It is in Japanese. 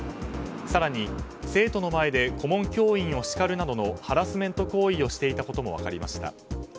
更に生徒の前で顧問教員を叱るなどのハラスメント行為をしていたことも分かりました。